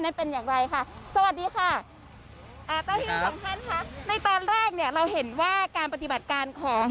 ก็เป็นอย่างไรค่ะสวัสดีค่ะคะในตอนแรกเนี่ยเราเห็นว่าการปฏิบัติการของ